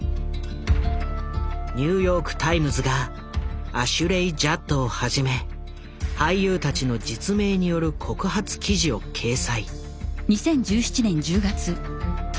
ニューヨーク・タイムズがアシュレイ・ジャッドをはじめ俳優たちの実名による告発記事を掲載。